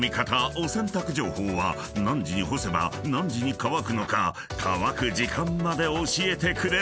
お洗濯情報は何時に干せば何時に乾くのか乾く時間まで教えてくれる］